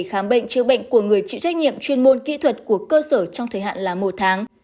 khám bệnh chữa bệnh của người chịu trách nhiệm chuyên môn kỹ thuật của cơ sở trong thời hạn là một tháng